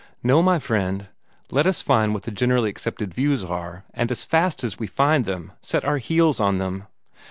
No, my friend, let us find what the generally accepted views are, and as fast as we find them set our heels on them.